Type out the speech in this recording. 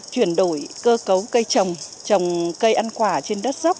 chuyển đổi cơ cấu cây trồng trồng cây ăn quả trên đất dốc